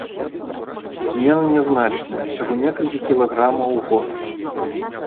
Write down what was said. Змены нязначныя, усяго некалькі кілаграмаў у год.